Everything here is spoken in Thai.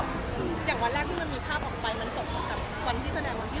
อย่างวันแรกที่มันมีภาพออกไปมันตกมากับวันที่แสดงวันที่